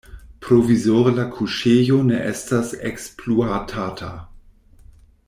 Provizore la kuŝejo ne estas ekspluatata.